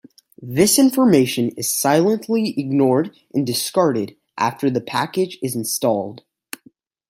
This information is silently ignored and discarded after the package is installed.